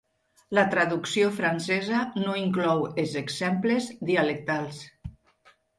La traducció francesa no inclou els exemples dialectals.